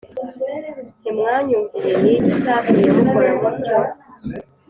Ntimwanyumviye ni iki cyatumye mukora mutyo